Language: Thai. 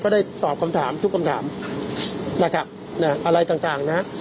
ได้ตอบคำถามทุกคำถามนะครับนะอะไรต่างนะฮะ